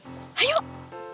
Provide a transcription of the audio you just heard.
kamu harus berusaha